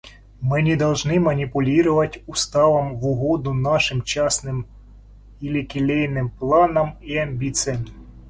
Мы не должны манипулировать Уставом в угоду нашим частным или келейным планам и амбициям.